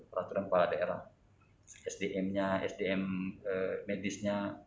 peraturan kepala daerah sdm nya sdm medisnya